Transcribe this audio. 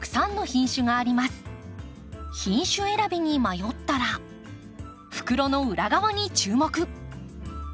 品種選びに迷ったら袋の裏側に注目。